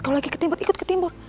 kalau lagi ketimbur ikut ke timbur